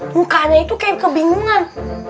mukanya itu kayak kebingungan